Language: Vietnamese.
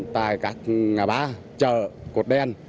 tại các ngã ba chợ cột đen